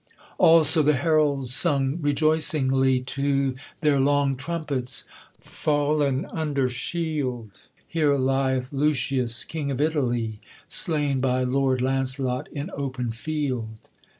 Also the heralds sung rejoicingly To their long trumpets; Fallen under shield, Here lieth Lucius, King of Italy, Slain by Lord Launcelot in open field.